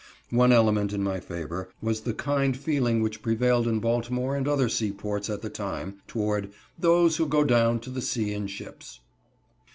One element in my favor was the kind feeling which prevailed in Baltimore and other sea ports at the time, toward "those who go down to the sea in ships."